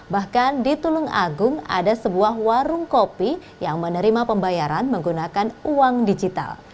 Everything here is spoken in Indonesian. bahkan di tulung agung ada sebuah warung kopi yang menerima pembayaran menggunakan uang digital